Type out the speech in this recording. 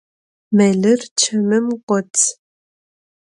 Melır çemım got.